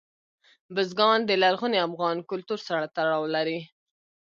بزګان د لرغوني افغان کلتور سره تړاو لري.